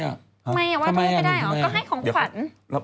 ทำไมอ่ะว่าเราไม่ได้อ่ะก็ให้ของขวัญ